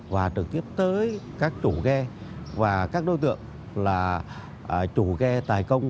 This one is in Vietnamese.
và trực tiếp tới các chủ ghe và các đối tượng là chủ ghe tài công